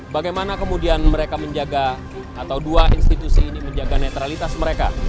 bagaimana kemudian mereka menjaga atau dua institusi ini menjaga netralitas mereka